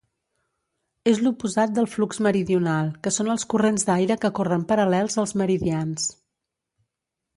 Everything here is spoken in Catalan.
És l'oposat del flux meridional, que són els corrents d'aire que corren paral·lels als meridians.